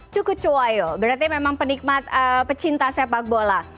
cukup cowayo berarti memang penikmat pecinta sepak bola